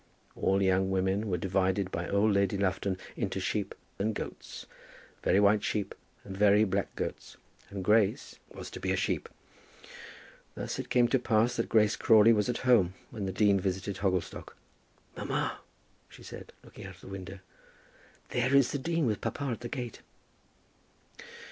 All young women were divided by old Lady Lufton into sheep and goats, very white sheep and very black goats; and Grace was to be a sheep. Thus it came to pass that Grace Crawley was at home when the dean visited Hogglestock. "Mamma," she said, looking out of the window, "there is the dean with papa at the gate."